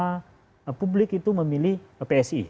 karena publik itu memilih psi